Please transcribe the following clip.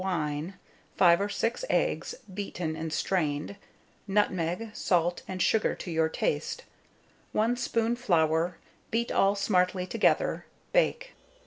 wine, 5 or 6 eggs beaten and strained, nutmeg, salt and sugar to your taste, one spoon flour, beat all smartly together, bake.